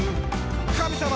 「神様！」